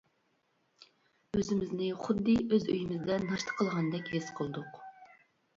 ئۆزىمىزنى خۇددى ئۆز ئۆيىمىزدە ناشتا قىلغاندەك ھېس قىلدۇق.